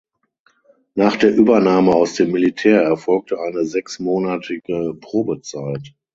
Nach der Übernahme aus dem Militär erfolgte eine sechsmonatige Probezeit.